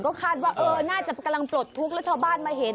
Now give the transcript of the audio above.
ก็คาดว่าเออน่าจะกำลังปลดทุกข์แล้วชาวบ้านมาเห็น